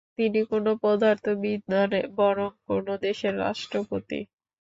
তিনি কোনো পদার্থবিদ নন বরং কোনো দেশের রাষ্ট্রপতি।